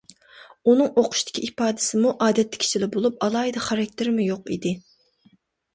ئۇنىڭ ئوقۇشتىكى ئىپادىسىمۇ ئادەتتىكىچىلا بولۇپ، ئالاھىدە خاراكتېرىمۇ يوق ئىدى.